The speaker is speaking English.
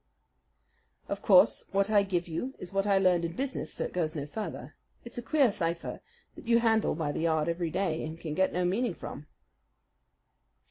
Of course, what I give you is what I learned in business; so it goes no further. It's a queer cipher that you handle by the yard every day and can get no meaning from.